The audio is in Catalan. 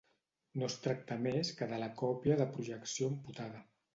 No es tracta més que de la còpia de projecció amputada.